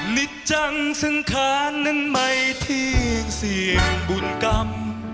ฤทธจังสังขารนั้นไม่ทิ้งสิ่งบุญกรรม